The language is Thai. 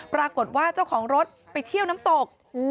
ปรากฏว่าเจ้าของรถไปเที่ยวน้ำตก